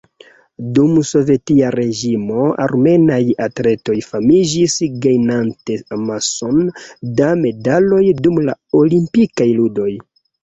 Dum sovetia reĝimo, armenaj atletoj famiĝis gajnante amason da medaloj dum la Olimpikaj Ludoj.